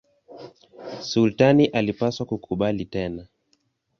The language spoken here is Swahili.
Sultani alipaswa kukubali tena.